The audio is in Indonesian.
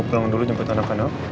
mau pulang dulu jemput anak anak